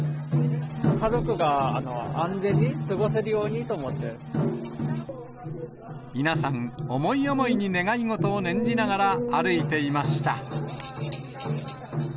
家族が安全に過ごせるように皆さん、思い思いに願い事を念じながら歩いていました。